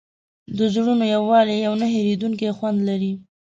د زړونو یووالی یو نه هېرېدونکی خوند لري.